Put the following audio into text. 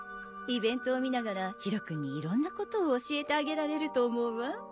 イベントを見ながら宙君にいろんなことを教えてあげられると思うわ。